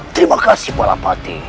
terima kasih balapati